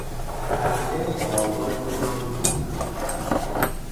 پرنده بال های خود را میگستراند.